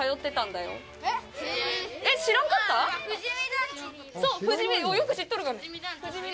よく知っとるがな。